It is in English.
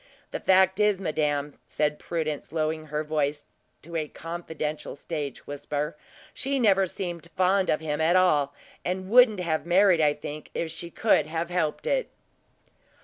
The fact is, madame," said Prudence, lowering her voice to a confidential stage whisper, "she never seemed fond of him at all, and wouldn't have been married, I think, if she could have helped it."